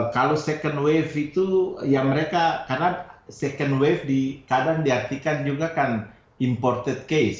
kalau second wave itu ya mereka karena second wave kadang diartikan juga kan imported case